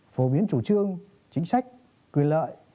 phổ biến chủ trương chính sách quyền lợi